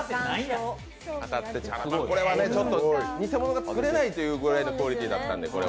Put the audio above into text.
これはちょっと偽物が作れないぐらいのクオリティーだったんで。